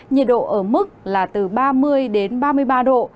nhiệt độ ở mức là từ ba năm độ